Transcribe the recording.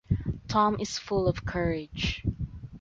Tom is full of courage.